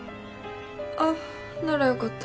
あっならよかった。